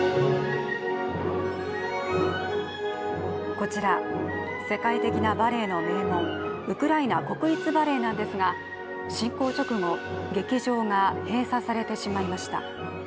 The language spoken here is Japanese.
こちら、世界的なバレエの名門、ウクライナ国立バレエなんですが侵攻直後、劇場が閉鎖されてしまいました。